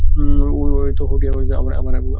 হয়তো ওকে আমার ঘুমাতে দেওয়া উচিত?